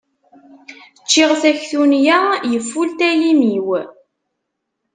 Ččiɣ taktuniya, yefulta yimi-w.